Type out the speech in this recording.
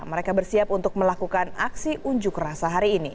mereka bersiap untuk melakukan aksi unjuk rasa hari ini